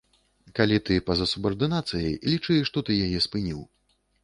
Калі ты па-за субардынацыяй, лічы, што ты яе спыніў.